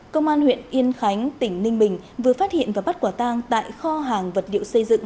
công an huyện yên khánh tỉnh ninh bình vừa phát hiện và bắt quả tang tại kho hàng vật liệu xây dựng